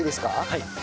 はい。